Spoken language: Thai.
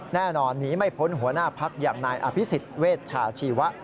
แน่นอนหนีไม่พ้นหัวหน้าพักอย่างนายอภิษฎเวชชาชีวะ